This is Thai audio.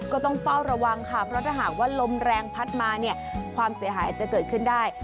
ก็ต้องเฝ้าระวังค่ะเพราะถ้าหากว่าลมแรงพัดมาเนี่ยความเสียหายอาจจะเกิดขึ้นได้